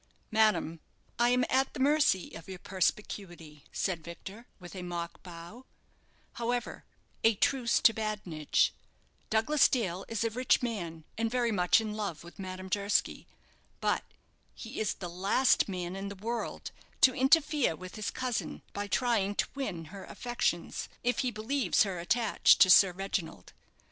"Madam, I am at the mercy of your perspicuity," said Victor, with a mock bow; "however, a truce to badinage Douglas Dale is a rich man, and very much in love with Madame Durski; but he is the last man in the world to interfere with his cousin, by trying to win her affections, if he believes her attached to Sir Reginald.